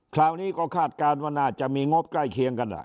คราวนี้ก็คาดการณ์ว่าน่าจะมีงบใกล้เคียงกัน